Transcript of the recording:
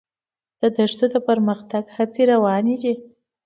د دښتو د پرمختګ هڅې روانې دي.